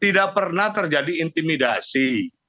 tidak pernah terjadi intimidasi